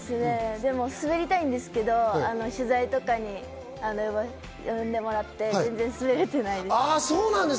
でも滑りたいんですけれど、取材とかによんでもらって全然滑れてないです。